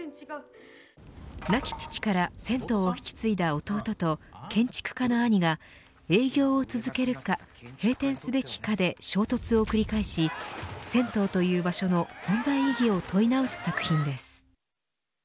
亡き父から銭湯を引き継いだ弟と建築家の兄が営業を続けるか閉店すべきかで衝突を繰り返し銭湯という場所の存在意義を問い直す作品です。